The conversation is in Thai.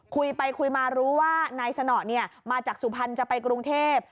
คุยไปคุยมารู้ว่านายสนอมาจากสุพรรณจะไปกรุงเทพ